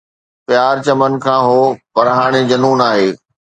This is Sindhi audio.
پيار چمن کان هو پر هاڻي جنون آهي